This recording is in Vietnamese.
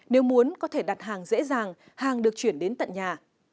nếu muốn có thể đặt hàng dễ dàng hàng được chuyển đến tận nhà